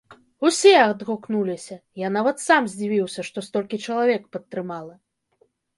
Усе адгукнуліся, я нават сам здзівіўся, што столькі чалавек падтрымала.